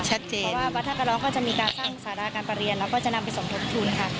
เพราะว่าวัดท่ากระร้องก็จะมีการสร้างสาราการประเรียนแล้วก็จะนำไปสมทบทุนค่ะ